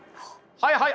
はいはい。